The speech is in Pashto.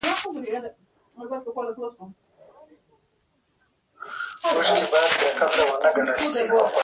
د زبېښونکو بنسټونو تر سیوري لاندې وده بې ثباته وي.